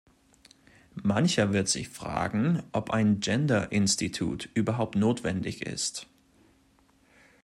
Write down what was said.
Mancher wird sich fragen, ob ein Gender-Institut überhaupt notwendig ist.